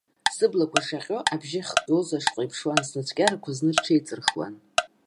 Сыблақәа шаҟьо абжьы ахьгоз ашҟа иԥшуан, снацәкьарақәа зны рҽеиҵырхуан.